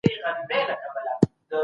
ناحقه مال مه ټولوي.